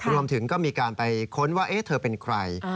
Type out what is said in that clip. รวมถึงก็มีการไปค้นว่าเธอเป็นใคร